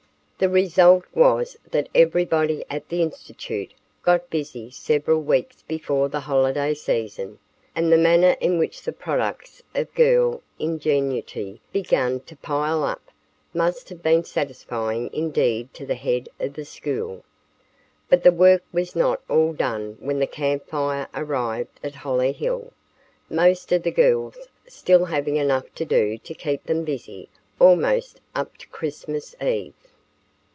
The result was that everybody at the Institute got busy several weeks before the holiday season, and the manner in which the products of girl ingenuity began to pile up must have been satisfying indeed to the head of the school. But the work was not all done when the Camp Fire arrived at Hollyhill, most of the girls still having enough to do to keep them busy almost up to Christmas eve.